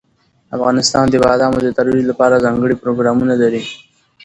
افغانستان د بادامو د ترویج لپاره ځانګړي پروګرامونه لري.